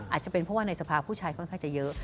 อาจจะเป็นเพราะว่าในสภาผู้ชายค่อนข้างจะเยอะ